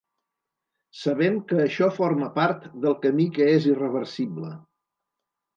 Sabem que això forma part del camí que és irreversible.